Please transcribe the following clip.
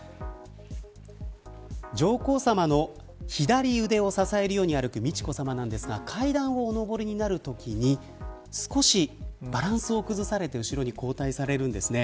上皇さまの左腕を支えるように歩く美智子さまなんですが階段をお上りになるときに少しバランスを崩されて後ろに後退されるんですね。